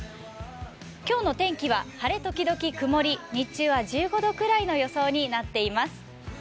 今日の天気は晴れ時々曇り日中は１５度くらいの予想になっています。